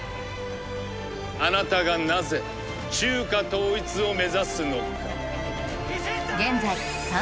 あなたがなぜ中華統一を目指すのか？